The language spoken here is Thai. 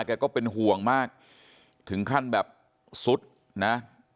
ก็เป็นห่วงมากถึงขั้นแบบสุดนะ